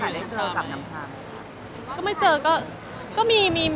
มีเรื่องที่เขาขายได้เจอกับน้ำชาติไหม